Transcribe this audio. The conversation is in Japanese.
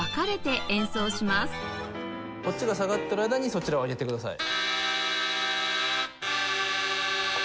こっちが下がっている間にそちらを上げてください。